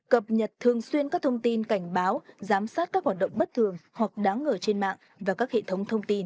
cập nhật thường xuyên các thông tin cảnh báo giám sát các hoạt động bất thường hoặc đáng ngờ trên mạng và các hệ thống thông tin